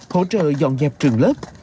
hỗ trợ dọn dẹp trường lớp